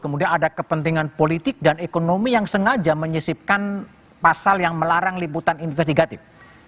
kemudian ada kepentingan politik dan ekonomi yang sengaja menyisipkan pasal yang melarang liputan investigatif